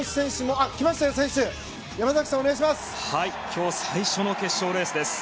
今日最初の決勝レースです。